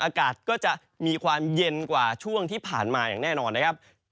อากาศก็จะมีความเย็นกว่าช่วงที่ผ่านมาอย่างแน่นอนนะครับ